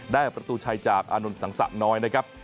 ได้กับประตูไชยจากอานุนสังษะนอยนะครับ